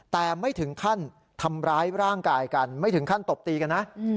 แต่ไม่ถึงขั้นทำร้ายร่างกายกันไม่ถึงขั้นตบตีกันนะ